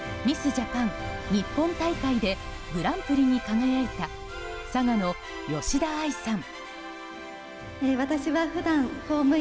・ジャパン日本大会でグランプリに輝いた佐賀の吉田愛さん。